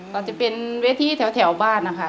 ก็จะเป็นเวทีแถวบ้านนะคะ